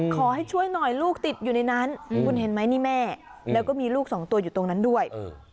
ขอให้ช่วยหน่อยลูกติดอยู่ในนั้นคุณเห็นไหมนี่แม่แล้วก็มีลูกสองตัวอยู่ตรงนั้นด้วย